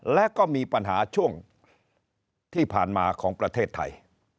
และก็มีปัญหาช่วงที่ผ่านมาของประเทศไทย